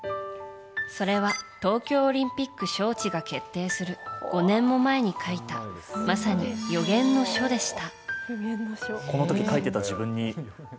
それは東京オリンピック招致が決定する５年も前に書いたまさに予言の書でした。